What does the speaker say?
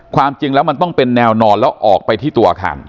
ความจริงแล้วมันต้องเป็นแนวนอนแล้วออกไปที่ตัวอาคาร